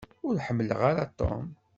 Ur ḥemmleɣ ara Tom.